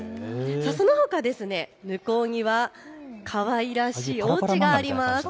そのほか向こうにはかわいらしいおうちがあります。